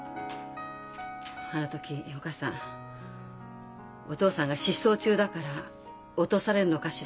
あの時お母さんお父さんが失踪中だから落とされるのかしらって言ったわよね。